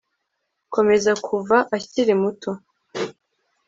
komeza kuva akiri muto